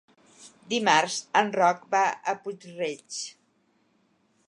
Dimarts en Roc va a Puig-reig.